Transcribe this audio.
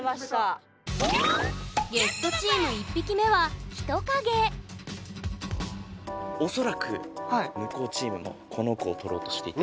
ゲストチーム恐らく向こうチームもこの子をとろうとしていた。